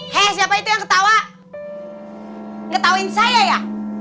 hei siapa itu yang ketawa ngetahuin saya ya